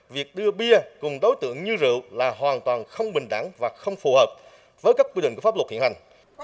việc đưa bia cùng đối tượng như rượu là hoàn toàn không bình đẳng và không phù hợp với các quy định của pháp luật hiện hành